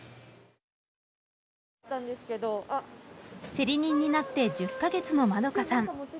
競り人になって１０か月のまどかさん。